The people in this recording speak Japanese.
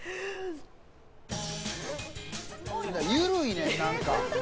ゆるいねん、何か。